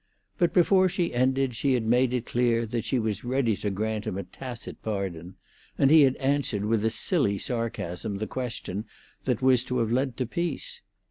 But before she ended she had made it clear that she was ready to grant him a tacit pardon, and he had answered with a silly sarcasm the question that was to have led to peace.